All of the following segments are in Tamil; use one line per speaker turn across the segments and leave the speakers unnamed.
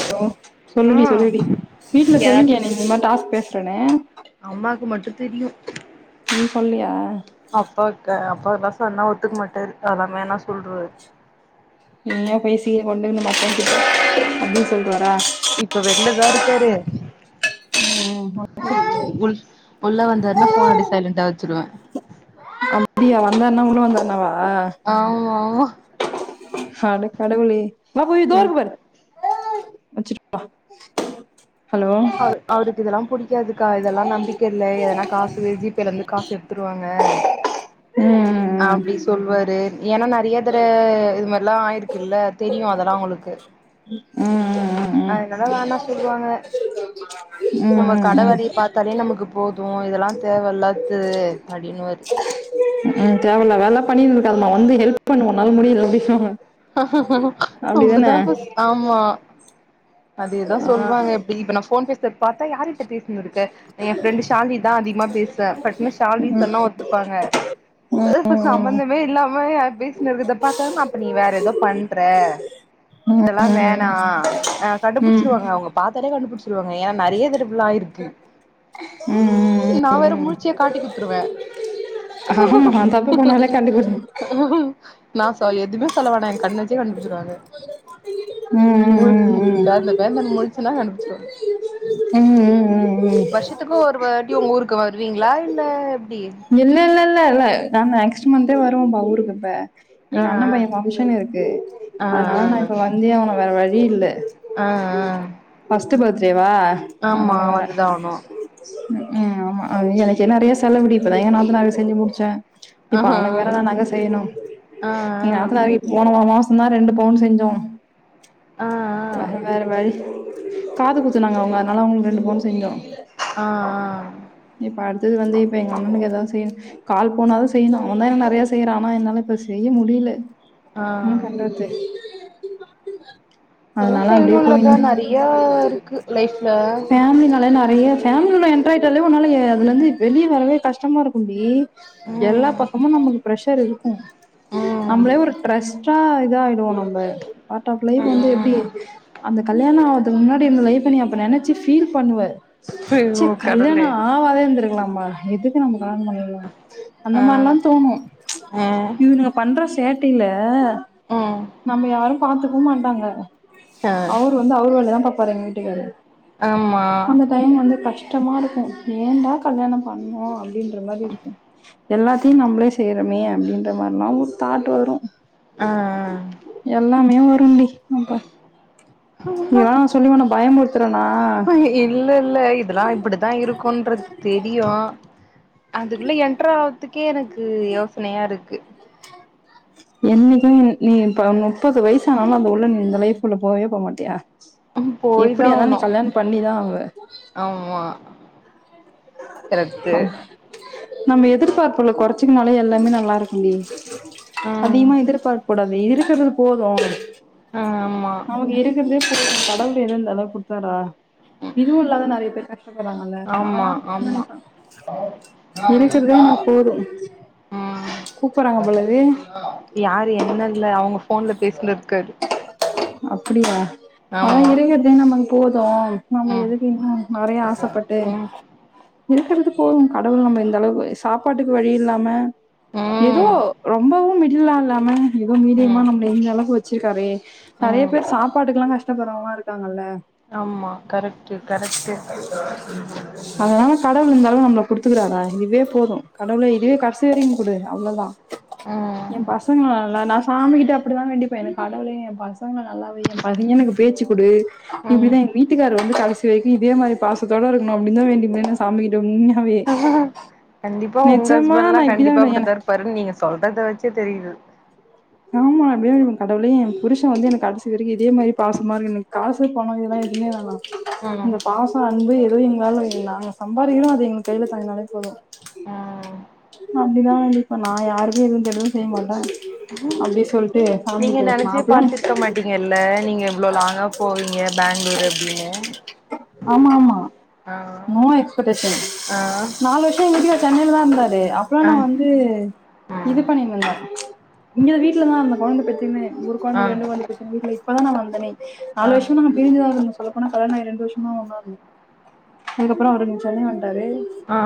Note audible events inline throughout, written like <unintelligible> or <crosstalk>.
ஹலோ
ஆ
சொல்லுடி சொல்லுடி வீட்ல
யாராச்சு
சொல்லிட்டியா நீ இந்த மாரி டாஸ்க் பேஸ் சொன்ன
அம்மாக்கு மட்டு தெரியு
நீ சொல்லியா
அப்பாக்கு அப்பா இதெல்லா சொன்னா ஒத்துக்குமாட்டாரு அதல்லா வேணா சொல்ருவாரு
நீயு பேசி <unintelligible> அப்டின் சொல்ருவாரா
இப்ப வெல்லதா இருக்காரு உள் உள்ள வந்தார்ன்னா ஃபோன் அப்டியே சைலண்டா வெச்சுருவ
அப்டியா அந்த அண்ணா வந்தார்னாவா
ஆமா ஓ
அட கடவுளே பாப்பு இதோரு இருக்கு பாரு வெச்சுருப்பா
அவரு அவருக்கு இதெல்லாம் புடி க்காதுக்கா இதெல்லா நம்பிக்க இல்ல எதனா காசு ஜிபேல இருந்து காசு எடுத்துருவாங்க
ம்
அப்டி சொல்வாரு ஏன்னா நறையா தட இது மாரில்லா ஆயிருக்குல்ல தெரியு அதெல்லா உங்களுக்கு
ம் ம்
அதனால வேணா சொல்லுவாங்க
ம்
நம்ம
ம் ம்
கடவேலய பாத்தாலே நமக்கு போது து இதெல்லா தேவையில்லாத்து
உ தேவல்லா வேல பண்ணி இருக்காதம்மா வந்து ஹெல்ப் பண்ணு உன்னால முடியலன் அப்ப <unintelligible>
அப்டிதான்ப்ப ஆமா அதேதா
ஆ
சொல்வாங்க எப்டி இப்ப நா ஃபோன் பேசி த்த பார்த்தா யார்ட்ட பேச் னு இருக்க எ ஃப்ரெண்டு் ஷாலினி தா அதிகமா பேசுவே டக்குனு ஷால்னி சொன்னா ஒத்துப்பாங்க
ம்
இப்ப
ம்
சம்பந்தமே இல்லாம ஏ பேசின்னுருக்கத பாத்தலேப் ப்ப நீ வேற ஏதோ பண்ற
ம்
இதெல்லா
ம்
வேணா ஆ
ம்
கண்டுபிடிச்சிருவாங்க அவுங்க பாத்தாலே கண்டுபிடிச் சொல்லுவாங்க ஏன்னா நெறய திடுப்புல்லா ஆயிருக்கு
உ உ உ
முழச்சே காட்டி குடுத்துருவே
ஆமா தப்பு பண்ணாலே காண்டி குடுத்
நா சோ எதுமே சொல்லவேனா எ கண்ண வச்சியே கண்டுபிச்சிருவாரு
உ உ உ உ
பேந்த பேந்தன் முழிச் சன்னா கண்டுபிச்சிருவாரு
ம் ம் ம் ம்
வருஷத்துக்கு ஒருவார் உங்க ஊருக்கு வருவீங்களா இல்ல எப்டி
இல்ல இல்ல இல்ல இல்ல நா நெக்ஸ்ட் மந்த் அ வருவோம்பா ஊருக்கு இப்ப
ஆ
எங்க அண்ண பையே ஃபங்க்ஷன் இருக்கு
ஆ
அதனால நா
ஆ
இப்ப வந்தே ஆவனு வேற வழி ழிஇல்ல
ஆ ஆ
டு பர்த்டே வா
ஆமா
அநால வரே
வந்துதா ஆவணு
உ உ ஆமா ஆ எனக்கு நிறைய செலவுடி இப்பதா ஏ நாத்தனாருக்கு செஞ்சு முடுச்ச
ஆ
இப்ப அவனுக்கு வேறல்லா நாங்க செய்யணு
ஆ ஆ
நீ நாத்தனாருக்கு போன மா மாஸ் சும்மா ரெண்டு பவுன் செஞ்சோம்
ஆ
வேற வேற வழி காது குத்துனாங்க அவங்க அதனால அவங்களுக்கு ரெண்டு பவுன் செஞ்சோ
ஆ ஆ
இப்ப அடுத்தது வந்து இப்ப எங்க அண்ணனுக்கு எதாவது செய் செய்யணு கால் பவுனாது செய்யணு அவந்தா எனக்கு நறையா செய்யறா ஆனா என்னால இப்ப செய்ய முடில
ஆ
ம் கண்டத்தே
எல்லா செய்யணுலக்கா
போயினு
நறையா இருக்கு லைஃப்ல
ல நறையா ஃபேமிலிகுள்ள என்ராயிட்டா டாலே உன்னால அதுல இருந்து வெளிய வரவே கஷ்டமா இருக்கு டி எல்லா
ம்
பக்கமு நமக்கு பிரஷ் ஷெர் இருக்கு
ம்
நம்மளே ஒரு டிரெஸ்ட்டா இத ஆயிடுவோ நம்ம பார்ட் ஆஃப் லைஃப் வந்து எப்டி
ம்
அந்த கல்யாணோ ஆவரதுக்கு முன்னாடி இருந்த லைஃப்ப நீ அப்போ நெனச்சு ஃபீல் பண்ணுவ
ஐயோ
செக் கல்யாணோ
கடவுளே
ஆவாதே வந்துருக்கலாமா இதுக்கு நம வாங்குனதெல்லா அந்த
ஆ
மார்லா தோணு
ஆ
இவிங்க பண்றஸ் சேட்டில
ம்
நம்ம யாரும் பாத்துக்கவு மாட்டாங்க
ஆ
அவர் வந்து அவர் வேலதா பாப் பாரு எங்க வீட்டுக்கார்ரு
ஆமா
கஷ்டமா இருக்கு ஏண்டா கல்யாணம் பண்ணோ அப்டின்ற மாரி இருக்கு எல்லாத்தையு நம்மளே செய்றமே அப்டின்ற மாரிலா ஒரு தாட் வரு
ஆ
எல்லாமே ஒர் இன்னிக் <unintelligible>
ஆ
எதா ஒன்ன சொல்லி உன்ன பயமுறு த்தறனா?
இல்ல இல்ல இதெல்லா இப்பிடித்தா இரு க்குன்றது தெரியு அதுக்குள்ள என்டர் ஆவுறதுக்கே எனக்கு யோசனையா இருக்கு
என்னுது நீ இப்ப நுப்பது வயசானாலு அது உள்ள நீ அந்த லைஃப்க்குள்ள போகவே போமாட்டியா
போய்தா
எப்பிடியானாலு நீ
ஆவணு
கல்யாணோ பண்ணிதா ஆகுவ.
ஆமா கரெக்ட்டு
அ நம்ம எதிர்பார்ப்புகள கொறைச்சுக்குனாலே எல்லாமே நல்லா இருக்குன்டி
ம்
அதிகமா எதிர்பாக்க கூடாது அது இருக்கிறது போது
ஆமா
<inaudible> கடவுள் எதோ இந்தளவுக்கு குடுத்தாரா இதுவு இல்லாத நெறைய பேரு கஷ் டப்படறாங்கல்ல
ஆமா
நால்லா
ஆமா
இருக்கிறதே எனக்கு போதும்
ம்
கூப்பிடுறாங்க போலவே
யாரு என்னன் இல்ல அவங்க ஃபோன்ல பேசினு இருக்காரு.
அப்பிடியா ஆ
ஆமா
இருங்க <unintelligible> க்கோ நம்ம
ம்
எதுக்கு இன்னு நெறைய ஆசப்பட்டு
ம்
இருக்கறது போது கடவுள் நம்ம இந்த அளவுக்கு சாப்பாட்டுக்கு வழி இல்லாம எதோ
ம்
ரொம்பவுமே இல்லா இல்லாம ஏதோ மீடியமா
ம்
நம்மள இந்த அளவுக்கு வச்சிருக்காரே நெறைய
ம்
பேர் சாப்பாட்டுக்கு எல்லாம் கஷ்டப்படுறவங்கல்லா இருக்காங்கல்ல
ஆமா கரெக்ட்டு கரெக்ட்டு
கொடுத்துருக்குறாங்க இதுவே போதும் கடவுளே இதுவே கடைசி வரையும் குடு அவ்ளோதான்
ம்
என் பசங்களும் நல்லா நான் சாமி கிட்ட அப்படிதான் வேண்டி பேன் என் கடவுளே என் பா பசங்க நல்லா வை என் பசங்களுக்கு எனக்கு பேச்சு கொடு
ம்
இப்படிதான் எங்க வீட்டுக்கார வந்து கடைசி வைக்கும் இதே மாதிரி பாசத்தோட இருக்கணும் அப்டினு தான் வேண்டிபேன் சாமிகிட்ட
ஹ கண்டிப்பா உங்க
நிஜமா
ஹஸ்பண்ட்
நா
எல்லாம்
இப்படிதா
கண்டிப்பா
வேண்டுவே என
இப்டிதான் இருப்பாருனு நீங்க சொல்றத வச்சே தெரியுது
ஆமா அப்படி தான் கடவுளே என் புருஷன் வந்து எனக்கு கடைசி வரைக்கு இதே மாதிரி பாசமா இருக்கனும் எனக்கு காசு பணம் இதெல்லாம் எதுமே வேணா
ம்
இந்த பாசம் அன்பு ஏ எங்களால நாங்க சம்பாதிக்கிறோம் அது எங்க கையில தங்கனாலே போதும்
ம்
அப்படிதான் வேண்டிப்பேன் இப்ப நான் யாருக்கு இருந்து எதுவும் செய்ய மாட்டேன் அப்படி சொல்
நீங்க நினைச்ச பாத்துருக்க மாட்டீங்கல்ல நீங்க எவ்ளோ லாங்கா போவீங்கனு பெங்களூர் அப்படின்னு
ஆமா ஆமா நோ எக்ஸ்படேஷன்
ஆ
நாலு வருஷம் சென்னைல தான் இருந்தாரு அப்பல்லாம்
ஆ
நான் வந்து
ம்
இது பண்ணிணுந்தேன் இங்க வீட்டுலதான் கொழந்த பெத்ததுமே ஒரு
ஆ
கொழந்தைக்கு ரெண்டு கொழந்தைக்கு பெத்துக்க சொல்லி இப்பதா நா வந்தேன்
ஆ
நாலு வருஷமா நாங்க பிரிஞ்சிதா இருந்தோம் சொல்லப் போனா கல்யாணமாயி இரண்டு வருஷம் ஒ அதுக்கப்புறம் அவரு சென்னை வ பாரு
ஆ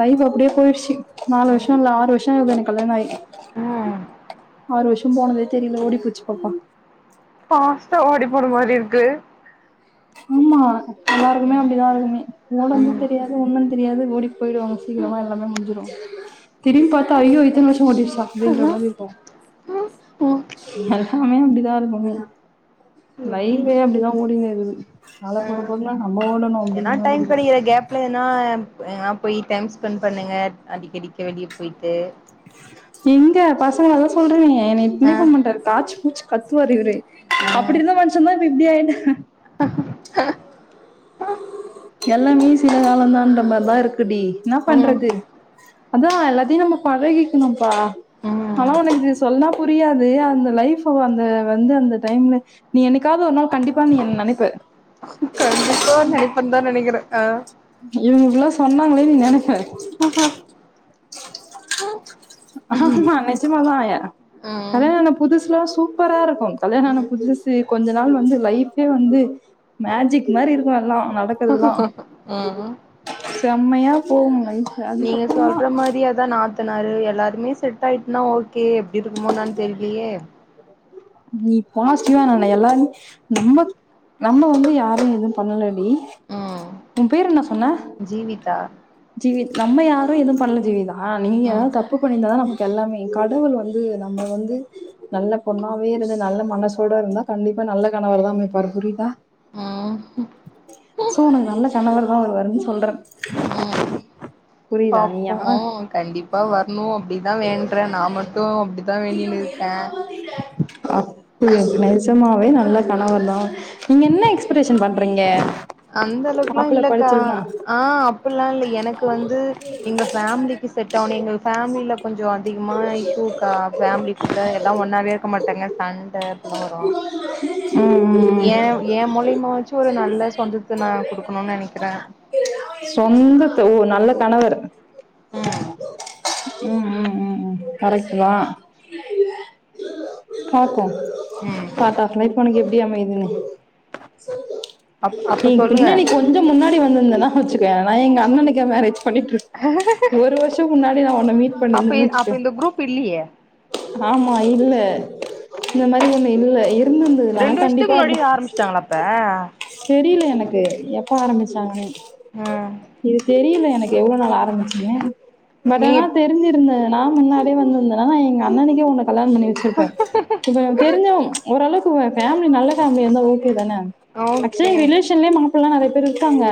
லைஃப் அப்படியே போயிடுயச்சு ச்சீ நாலு
ம்
வருஷம் இல்ல ஆறு வருஷம் ஆகுது எனக் கல்யாணாம் ஆயி
ம்
ஆறு வருஷம் போனதே தெரியல ஓடி போச்சு பாப்பா
பாஸ்டா ஓடி போன மாதிரி இருக்கு
ஆமா எல்லாருக்குமே
ம்
அப்படிதான் இருக்குமே ஓடவும்
ம்
தெரியாது ஒன்னு தெரியாது ஓடி போயிடுவாங்க சீக்கிரமா எல்லாமே முடிஞ்சிரும் திரும்பி பாத்தா அய்யோ இத்தன வருஷோ ஓடிச் அப்படின்ற மாரி இருக்கோ
ம்
எல்லாமே அப்டிதா கும்பமேளா
எப்டின்
லைஃபே அப்டிதா ஓடின்னு இருக்கு கால
ஆ
போறப்போக்ல்ல நம்ம ஓடணு
ஏன்னா
அப்டின்ற மாரி
டைம்
இருக்கு
கெடைக்கிற கேப்ல எதுனா போய் டைம் ஸ்பெண்ட் பண்ணுங்க அடிக்கடிக்க வெளியே போயிட்டு
எங்க பசங்கலதா சொல்றேனே என்னய
ஆ
பினைப்பு முண்ட தாஜ் பூச் கத்துவாரு இவரு
ஆ
அப்டி இருந்த மனுஷன்தா இப்ப இப்டி ஆய்டே <inaudible> எல்லாமே சில கால தா என்ற மாரி தா இருக்கு டி என்னா
ம்
பண்றது அது எல்லாத்தையு நம்ம பழகிக்கணும்பா ஆனா
ம்
உனக்கு சொன்னா புரியாது அந்த லைஃப் அந்த வந்து அந்த டைம்ல நீ என்னைக்காவது ஒரு நாள் கண்டிப்பா நீ நெனப்ப
கண்டிப்பா நெனப்பந்த தா நெனக்குறே ஆ
இவங்க இவ்ளோ சொன்னாங்களே நீ நெனப்ப
ஆஹா
ஆமா நெஜமாதா
ம்
கல்யாண ஆன புதுசுல்லா சூப்பரா இருக்கு கல்யாண ஆன
ம்
புதுசுல கொஞ்ச நாள் வந்து லைஃபே வந்து மேஜிக் மாரி இருக்கு எல்லா நடக்கறதுதா
ம்
செம்மையா போகுங் நைட்
நீங்க சொல்ற மாதிரிய தா நா நாத்தனாரு எல்லாருமே செட் செட் ஆயிருச்னா ஓகே எப்டி இருக்குமோ என்னான்னு தெரிலயே
நீ பாசிட்டிவா நென எல்லாரு நம்ம நம்ம வந்து யாரு எதுவு பண்ணலடி
ம்
உன் பேரு என்ன சொன்ன
ஜீவிதா
ஜீவித் நம்ம யாரு எதுவு பண்ணல ஜீவிதா ஆ நீங்க
ம்
எதாவது தப்பு பண்ணிருந்தா தான எல்லாமே கடவுள் வந்து நம்மள வந்து நல்ல பொண்ணாவே இருந்து நல்ல மனசோட இருந்தா கண்டிப்பா நல்ல கணவர் தா அமைப்பார் புரியுதா
ம்
சோ உனக்கு நல்ல கணவர் தா வருவாரு சொல்றே
ம்
<inaudible> புரியுதா
பாப்போ கண்டிப்பா வரணு அப்டிதா வேண்றே நா மட்டு அப்டிதா வேண்டினு இருக்கே
இப்போவே நல்ல கணவர்தாம் நீங்க என்ன எக்ஸ்பிரேஷன் பண்றீங்க
அந்த அளவுக்குலாம்
மாப்பிள்ள
இல்லக்கா
படிச்சிருக்கணு
ஆ அப்டி இல்ல எனக்கு வந்து எங்க ஃபேமிலிக்கு செட் ஆனு எங்க ஃபேமிலில கொஞ்சம் அதிகமா இஷ்யு இருக்கா ஃபேமிலிக்குள்ள எல்லாம் ஒன்னாவே இருக்க மாட்டேங்க சண்டை அப்படில்லாம் வரும்
ம் ம்
என் என் மூலியமாச்சு ஒரு நல்ல சொந்தத்தை நான் குடுக்கணுன்னு நினைக்கிறேன்
சொந்த ஓ நல்ல கணவர்
ம்ம்
உம் உம் உம் உம் கரெக்டு தான் வா
ம்
பார்த்த ஆ உனக்கு எப்படி அமையுது
அப்
நீ
அப்ப சொல்லுங்க
பின்னாடி நீ கொஞ்சம் முன்னாடி வந்திருந்தனா கோச்சுகிவியா அண்ணனைக்கா மேரேஜ் பண்ணிட்டு ஒரு வருஷத்துக்கு முன்னாடி நான் உன்னனை மீட்
அப்ப
பண்ணிருந்தேன்னு
அப்ப
வச்சுக்கோயேன்
இந்த குரூப் இல்லியே
ஆமா இல்ல இந்த மாதிரி ஒண்ணும் இல்ல இருந்திருந்ததுன்னா
ரெண்டு வருஷத்துக்கு
கண்டிப்பா
முன்னாடியே ஆரம்பிச்சுட்டாங்களாப்ப
தெரியல எனக்கு எப்ப ஆரம்பிச்சாங்கன்னே
ம்
இது தெரியல எனக்கு எவ்வளவு நாள் ஆரம்பிச்சுங்க பட்
நீங்க
ஆனா தெரிஞ்சிருந்தேன் நான் முன்னாடி வந்திருந்தேன் நா எங்க அண்ணனுக்கே உனக்கு பல பண்ணி வச்சிருப்பேன் இப்ப தெரிஞ்சும் ஓரளவுக்கு ஃபேமலி நல்ல பேமிலி யா இருந்தா போதும் தானே
ஓகே
ஆக்சுவலா ரிலேஷன்லயே மாப்பில்லாம் நிறைய ர இருக்காங்க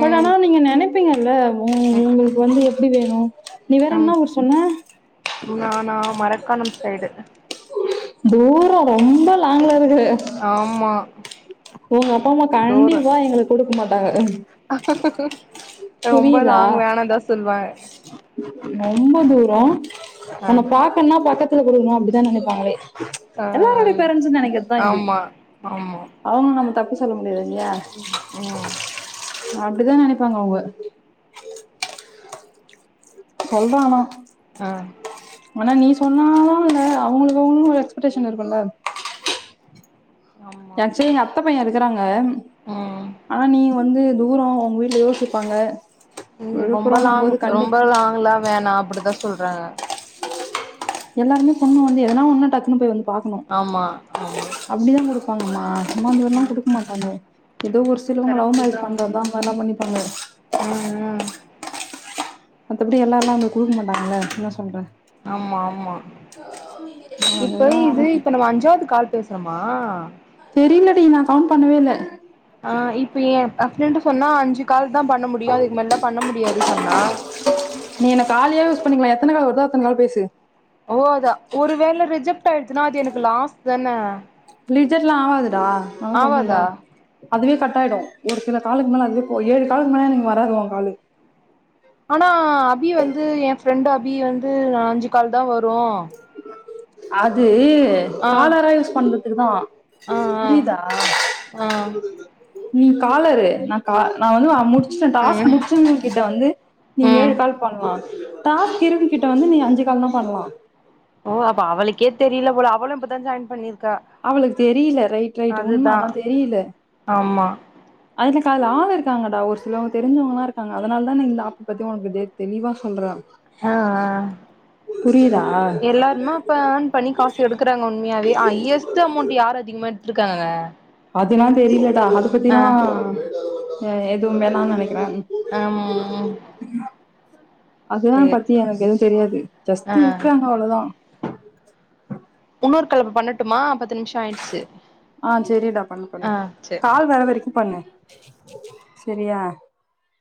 பட் ஆனா நீங்க நினைப்பீங்கல்ல உ உங்களுக்கு வந்து எப்படி வே உம் நீ வேற
ஆம்
என்ன ஒருஊர் சொன்ன
நா நா மரக்காணம் சைடு
தூரம் ரொம்ப லாங்கா இருக்கு
ஆமா
உங்க அப்பா அம்மா
தூரோ
கண்டிப்பா எங்களுக்கு குடுக்க மாட்டாங்க
ரொம்ப
புரியுதா
லாங் வேணாந்தா சொல்வாங்க
ரொம்ப தூ ரம்
ஆ
உன்ன பாக்கன்னா பக்க போடணும் அப்படிதான் நினைப்பாங்களே
ஆ
எல்லருோடைய பேரன்ட்ஸ்ன்னு நனைக்கத்தான் இது
ஆமா ஆமா
நம்ம தப்பு சொல்லும் இல்ல
ம்
அப்படிதான் நனைப்பாங்க அவுங்க சொல் ஆனா
ஆ
ஆனா நீ சொன்ன தான் அவுங்களுக்கு அவுங்களும் ஒரு எக்ஸ்பெக்டேஷன் இருக்கும்ல
ஆமா
என் சைடு அத்தை பையன் இருக்குறாங்க
ம்
ஆனா நீ வந்து தூரம் உங்க வீட்டுல யோசிப்பாங்க
ம் ரொம்ப
விழுப்புரம்னும்
லாங்
போது கண்டு
ரொம்ப லாங்லாம் வேணாம் அப்படிதான் சொல்றாங்க
எல்லாருமே பொண்ணு வந்து எதனாலும் டக்கு வந்து பார்க்கணும்
ஆமா ஆமா
அப்படிதான் போனு மா அம்மா அதெல்லாம்
ம்
குடுக்க மாட்டாங்க ஏதோ ஒரு சிலவுங்க லவ்
கரெக்ட்டு
மேரேஜ்
தா ம்
பண்றதுதான் அது எல்லாம் பண்ணிப்பாங்க
ம்
மத்தபடி எல்லார் எல்லாம் வந்து குடுக்க மாட்டாங்கள என்ன சொல்ற
ஆமா ஆமா இப்ப
அதுதா
இது இப்ப நம்ம அஞ்சாவது கால் பே குமா
தெரியல டி நான் கவுண்ட் பண்ணவே இல்ல
ஆ இப்போ என் பசங்கள்ட சொன்னா அஞ்சு கால் தான் பண்ண முடியும் அதுக்கு மேல பண்ண முடியாதுன்னு சொன்னா
நீயாவே பேசு
கட் ஆயிடுச்சுன்னா அது எனக்கு லாஸ் தானே
லிஜர்லாம் ஆவாது ஆ நான் சொல்லறேன்ல்ல
ஆவாதா
அதுவே கட் <unintelligible> ஒரு சில காலுக் மேலே அதுவெ போ ஏழு காலுக்கு மேலே வராது ஒ காலு
ஆனா அபி வந்து எ ஃப்ரெண்டு் அ பி வந்து அஞ்சு கால் தா வரு
அது காலரா யூஸ் பண்ற துக்குதா
ஆ
புரியிதா
ஆ ஆ
நீ காலரு நா கா நா வந்து அ முடு ச்டா டாஸ்க்
ம்
முடிச்சவுங்ககிட்ட வந்து நீ ஏழு
ம்
கால் பண்லா டாஸ்க் இருங் கிட்ட வந்து நீ அஞ்சு கால் தா பண்லா
ஓ அப்ப அவளுக்கே தெரில போல அவளு இப்பதா ஜாயின் பண்ணிரு
அவளுக்கு தெரில ரைட் ரைட் உண்ம
அதுதா
அதா தெரில
ஆமா
எனக்கு அதுல ஆள் இருக்காங்கடா ஒரு சிலவ்ங்க தெரிஞ்சவுங்களா இருக்காங்க அதுனால் தா நா இந்த ஆப்பு‌ பத்தி ஒனக்குதே தெளிவா சொல்றே
அ அ
புரியுதா
எல்லாருமே அப்ப ஏர்ன் பண்ணி காசு எடுக்குறாங்க உண்மையாவே ஹையஸ்டு அமௌண்ட் யார் அதிகமா எ டுத்துருக்காங்க
அதுலா தெரில டா அது பத்திலா ஓ எதுவும் வேணா நெனை
ஆமா
உம் அதுலா பத்தி எனக்கு எதுவு தெரியாது ஜஸ்ட்
ஆ
இருக்காங்க அவ்ளொதா
உன்னோர் கால் அப்ப பண்ணட்டுமா பத்து நிமிஷோ ஆயிடுச்சு
ஆ செரிடா பண்ணு பண்ணு
ஆ சேரி
கால் வர வரைக்கு பண்ணு செரியா